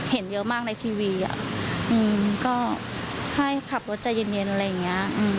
เห็นเยอะมากในทีวีก็ให้ขับรถใจเย็นอะไรอย่างนี้